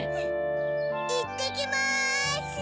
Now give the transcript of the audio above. いってきます！